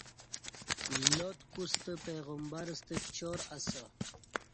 لات کوستہ پیغبر ستہ چار اسہ